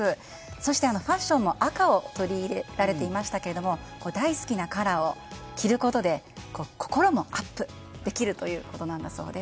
そして、ファッションも赤を取り入れられていましたけど大好きなカラーを着ることで心もアップできるということなんです。